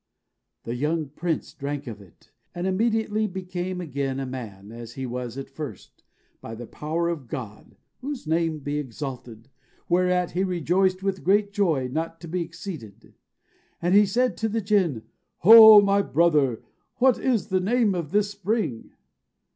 The young prince drank of it, and immediately became again a man, as he was at first, by the power of God (whose name be exalted!), whereat he rejoiced with great joy, not to be exceeded. And he said to the Jinn, "O my brother, what is the name of this spring?"